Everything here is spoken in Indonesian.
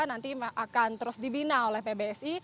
nanti akan terus dibina oleh pbsi